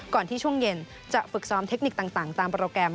ที่ช่วงเย็นจะฝึกซ้อมเทคนิคต่างตามโปรแกรม